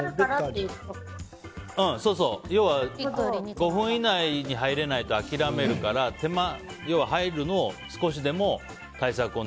５分以内に入れないと諦めるから入るのを少しでも対策をね。